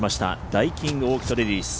ダイキンオーキッドレディス。